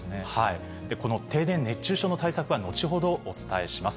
この停電熱中症の対策は後ほどお伝えします。